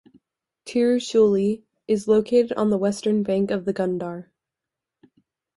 Tiruchuli is located on the western bank of the Gundar.